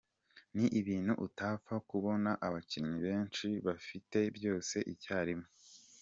Ni ibintu utapfa kubona abakinnyi benshi babifite byose icya rimwe.